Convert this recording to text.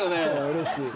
うれしい。